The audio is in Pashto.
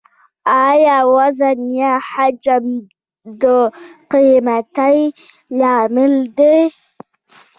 آیا وزن یا حجم د قیمتۍ لامل دی؟